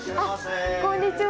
あっこんにちは！